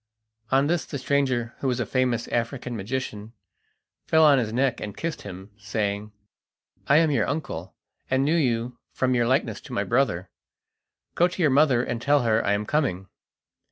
On this the stranger, who was a famous African magician, fell on his neck and kissed him, saying: "I am your uncle, and knew you from your likeness to my brother. Go to your mother and tell her I am coming."